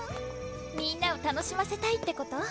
みんなを楽しませたいってこと？